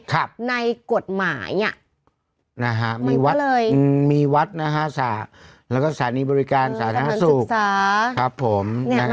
ครับในกฎหมายเนี่ยนะฮะมีวัดอือมีวัดนะฮะศาสตร์แล้วก็ศานีบริการศาสนศึกษาครับผมเนี่ย